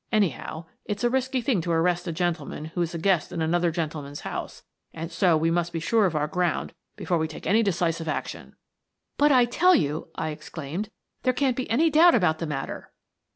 Anyhow, it's a risky thing to arrest a gentleman who's a guest in another gentleman's house, and so we must be sure of our ground before we take any decisive action." " But I tell you," I exclaimed, " there can't be any doubt about the matter!